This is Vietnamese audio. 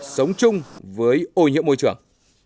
sống chung với ô nhiễm môi trường